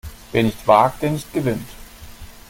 Wer nicht wagt, der nicht gewinnt!